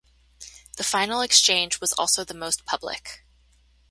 The final exchange was also the most public.